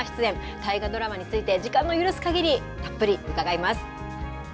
大河ドラマについて、時間の許すかぎり、たっぷり伺います。